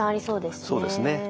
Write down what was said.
そうですね。